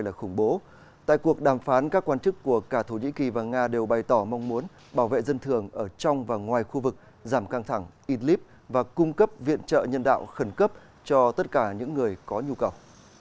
trong cuộc đàm phán các quan chức của cả thổ nhĩ kỳ và nga đều bày tỏ mong muốn bảo vệ dân thường ở trong và ngoài khu vực giảm căng thẳng ít líp và cung cấp viện trợ nhân đạo khẩn cấp cho tất cả những người có nhu cầu